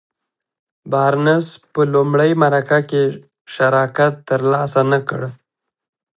بارنس په لومړۍ مرکه کې شراکت تر لاسه نه کړ.